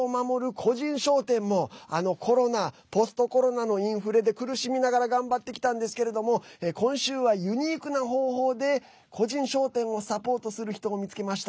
個人商店も、コロナポストコロナのインフレで苦しみながら頑張ってきたんですけれども今週は、ユニークな方法で個人商店をサポートする人を見つけました。